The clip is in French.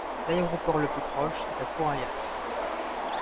L'aéroport le plus proche est à Qurayyat.